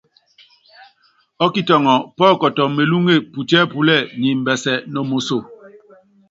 Ɔ́kitɔŋɔ pɔ́kɔtɔ melúŋe putíɛ́púlɛ́ɛ niimbɛsɛ no moso.